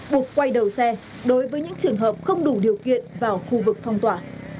buộc quay đầu xe đối với những trường hợp không đủ điều kiện vào khu vực phong tỏa